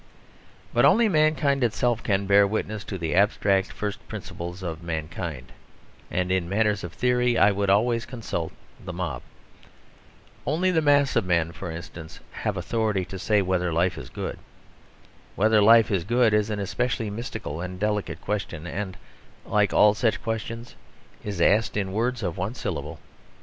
But only mankind itself can bear witness to the abstract first principles of mankind, and in matters of theory I would always consult the mob. Only the mass of men, for instance, have authority to say whether life is good. Whether life is good is an especially mystical and delicate question, and, like all such questions, is asked in words of one syllable.